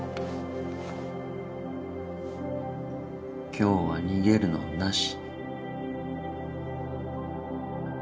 今日は逃げるのなし。